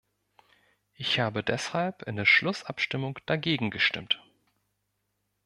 Ich habe deshalb in der Schlussabstimmung dagegen gestimmt.